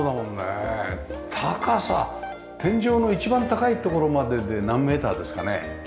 高さ天井の一番高い所までで何メーターですかね？